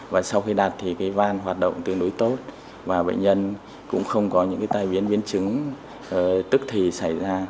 và sau khi đạt thì cái van hoạt động tương đối tốt và bệnh nhân cũng không có những tai biến biến chứng tức thì xảy ra